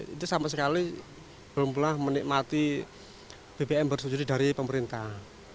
itu sama sekali belum pernah menikmati bbm bersubsidi dari pemerintah